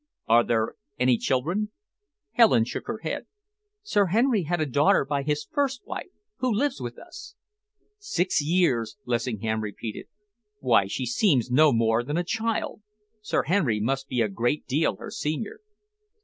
"Are there any children?" Helen shook her head. "Sir Henry had a daughter by his first wife, who lives with us." "Six years!" Lessingham repeated. "Why, she seems no more than a child. Sir Henry must be a great deal her senior."